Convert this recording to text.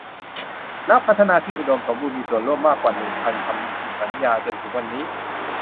นักพัฒนาที่อุดมสมบูรณ์มีส่วนร่วมมากกว่าหนึ่งพันคำสัญญาจนถึงวันนี้